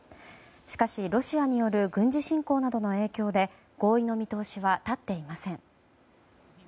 しかし、ロシアによる軍事侵攻などの影響で合意の見通しは立っていません。